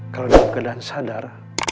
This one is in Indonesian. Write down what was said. kalau dalam keadaan sadar